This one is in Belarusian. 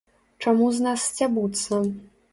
Чаму з нас сцябуцца.